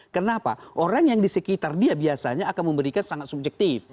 kenapa orang yang di sekitar dia biasanya akan memberikan sangat subjektif